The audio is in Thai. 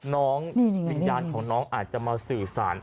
วิญญาณของน้องอาจจะมาสื่อสาร